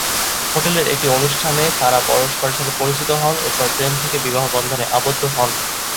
হোটেলের একটি অনুষ্ঠানে তারা পরস্পরের সাথে পরিচিত হন, এরপর প্রেম থেকে বিবাহ বন্ধনে আবদ্ধ হন।